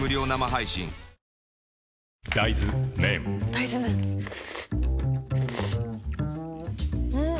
大豆麺ん？